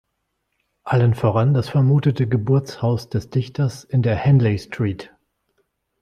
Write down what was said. Allen voran das vermutete Geburtshaus des Dichters in der "Henley Street".